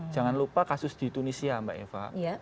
jangan lupa kasus di tunisia mbak eva